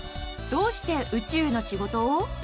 どうして宇宙の仕事を？